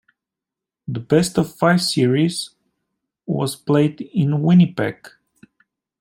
The best-of-five series was played in Winnipeg.